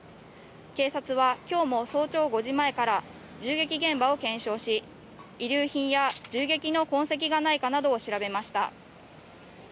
警察は今日も早朝５時前から銃撃現場を検証し遺留品や銃撃の痕跡がないかなどを調べました。